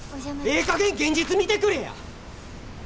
ええかげん現実見てくれや！